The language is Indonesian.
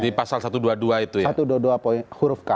di pasal satu ratus dua puluh dua itu ya